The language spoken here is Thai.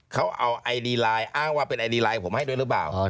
เขาเอาไอดีไลน์อ้างว่าเป็นไอดีไลน์ผมให้ด้วยหรือเปล่า